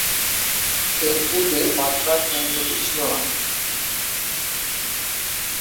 এর পূর্বে বাগদা কেন্দ্রটি ছিল না।